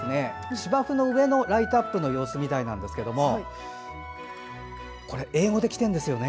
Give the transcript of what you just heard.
芝生の上のライトアップの様子みたいですがこれ、英語できてるんですよね。